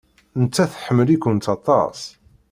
Nettat tḥemmel-ikent aṭas.